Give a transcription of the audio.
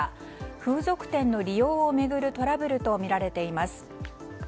風俗店の利用を巡るトラブルとみられています。